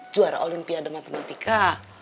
juara olimpiade matematika